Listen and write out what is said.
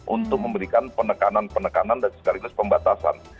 untuk memberikan penekanan penekanan dan sekaligus pembatasan